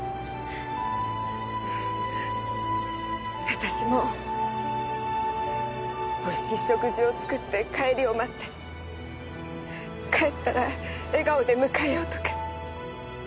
私もおいしい食事を作って帰りを待って帰ったら笑顔で迎えようとか。